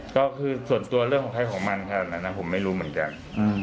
ก็คือส่วนตัวเรื่องของใครของมันขนาดนั้นผมไม่รู้เหมือนกัน